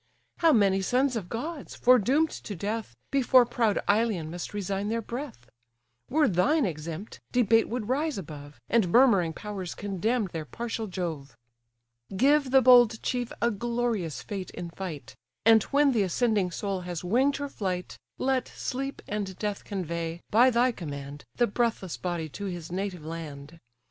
How many sons of gods, foredoom'd to death, Before proud Ilion must resign their breath! Were thine exempt, debate would rise above, And murmuring powers condemn their partial Jove. Give the bold chief a glorious fate in fight; And when the ascending soul has wing'd her flight, Let Sleep and Death convey, by thy command, The breathless body to his native land.